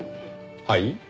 はい？